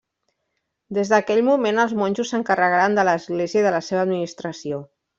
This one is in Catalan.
Des d'aquell moment, els monjos s'encarregaren de l'església i de la seva administració.